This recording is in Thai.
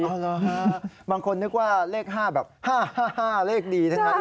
อ๋อหรอครับบางคนนึกว่าเลข๕แบบ๕๕๕เลขดีนะครับ